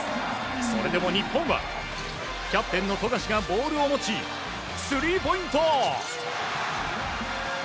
それでも日本はキャプテンの富樫がボールを持ちスリーポイント！